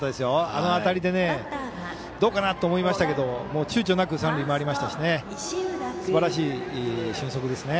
あの当たりでどうかなと思いましたがちゅうちょなく三塁回りましたしすばらしい俊足ですね。